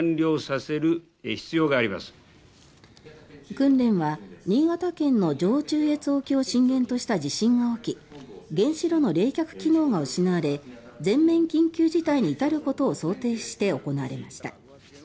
訓練は新潟県の上中越沖を震源とした地震が起き原子炉の冷却機能が失われ全面緊急事態に至ることを想定して行われました。